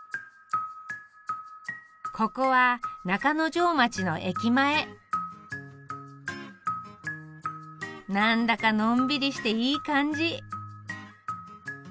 ここは中之条町の駅前何だかのんびりしていい感じ！